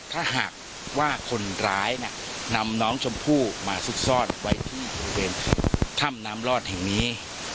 ถ้าหากว่าคนร้ายนำน้องชมพู่มาซุกซ่อนไว้ที่บริเวณถ้ำน้ำลอดแห่งนี้